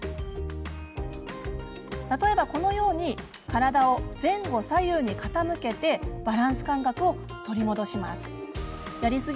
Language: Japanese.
例えば、このように体を前後左右に傾けてバランス感覚を取り戻します。